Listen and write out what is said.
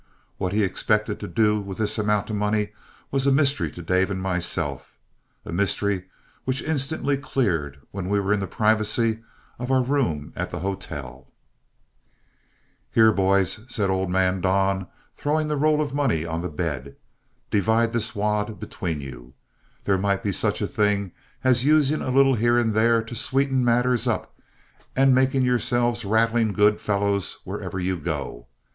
What he expected to do with this amount of money was a mystery to Dave and myself, a mystery which instantly cleared when we were in the privacy of our room at the hotel. "Here, boys," said old man Don, throwing the roll of money on the bed, "divide this wad between you. There might be such a thing as using a little here and there to sweeten matters up, and making yourselves rattling good fellows wherever you go.